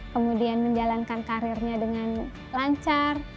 kemudian menjalankan karirnya dengan lancar